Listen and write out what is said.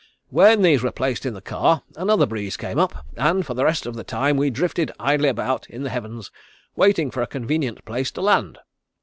When these were placed in the car another breeze came up, and for the rest of the time we drifted idly about in the heavens waiting for a convenient place to land.